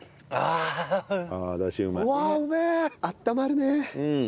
あったまるね。